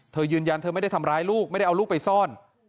เธอยืนยันเธอไม่ได้ทำร้ายลูกไม่ได้เอาลูกไปซ่อน